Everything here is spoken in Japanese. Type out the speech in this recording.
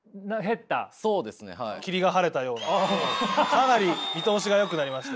かなり見通しがよくなりました。